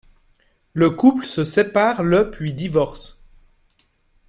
Le couple se sépare le puis divorce.